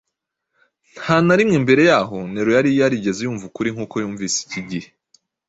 Nta na rimwe mbere y’aho Nero yari yarigeze yumva ukuri nk’uko yumvise iki gihe